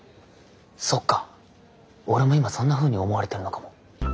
そっか俺も今そんなふうに思われてるのかも。